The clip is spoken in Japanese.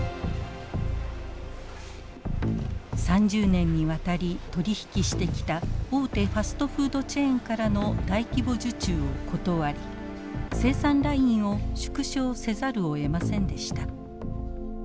３０年にわたり取り引きしてきた大手ファストフードチェーンからの大規模受注を断り生産ラインを縮小せざるをえませんでした。